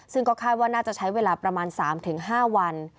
ซึ่งก็คาดว่าน่าจะใช้เวลาประมาณ๓๕วัน